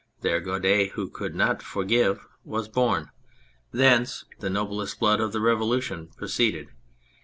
There Guadet, " who could not forgive/' was born. Thence the noblest blood of the Revolution proceeded.